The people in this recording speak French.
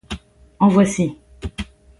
En voici.